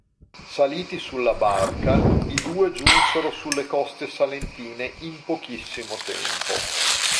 Saliti sulla barca, i due giunsero sulle coste salentine in pochissimo tempo.